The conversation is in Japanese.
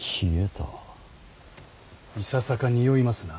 いささかにおいますな。